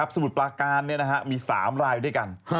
สมุดปาการนี้มี๓ลายที่นี่กัน